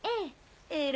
ええ。